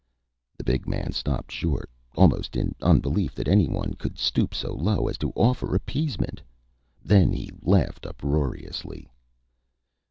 The big man stopped short, almost in unbelief that anyone could stoop so low as to offer appeasement. Then he laughed uproariously.